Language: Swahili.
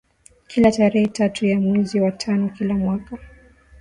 kila tarehe tatu ya mwezi wa tano kila mwaka